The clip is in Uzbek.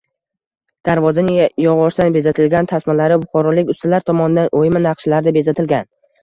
Darvozaning yog‘ochdan bezatilgan tasmalari buxorolik ustalar tomonidan o‘yma naqshlarda bezatilgan